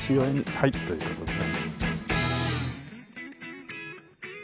はいという事でね。